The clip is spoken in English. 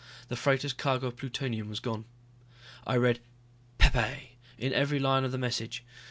The freighter's cargo of plutonium was gone. I read Pepe in every line of the message.